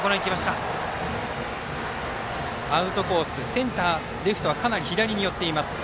センター、レフトはかなり左に寄っています。